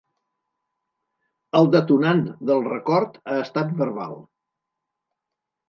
El detonant del record ha estat verbal.